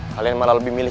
kalian malah lebih milih